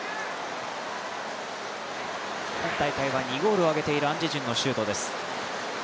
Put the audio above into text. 今大会は２ゴールを挙げているアン・ジェジュンのシュートです。